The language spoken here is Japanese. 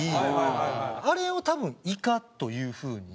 あれを多分イカという風に。